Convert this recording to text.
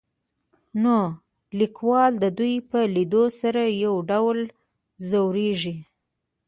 نو ليکوال د دوي په ليدو سره يو ډول ځوريږي.